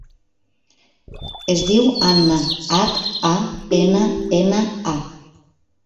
Es diu Hanna: hac, a, ena, ena, a.